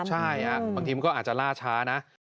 ใช่บางทีมันก็อาจจะล่าช้านะ